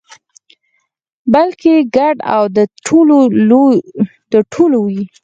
بلکې ګډ او د ټولو وي.